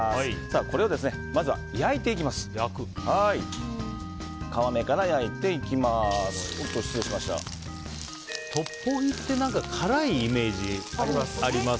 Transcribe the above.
これをまずは焼いていきます。